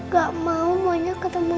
gak mau maunya ketemu mama